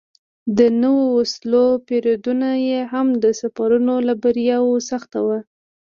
د نویو وسلو پېرودنه یې هم د سفرونو له بریاوو څخه وه.